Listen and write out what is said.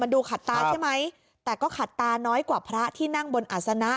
ดูขัดตาใช่ไหมแต่ก็ขัดตาน้อยกว่าพระที่นั่งบนอัศนะ